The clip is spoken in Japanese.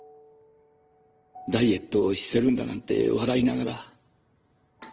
ダイエットをしてるんだなんて笑いながら。